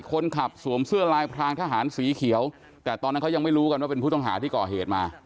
สวมเสื้อลายพรางทหารสีเขียวแต่ตอนนั้นเขายังไม่รู้กันว่าเป็นผู้ต้องหาที่ก่อเหตุมา